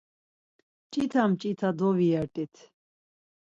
Mç̌ita mç̌ita doviyert̆it.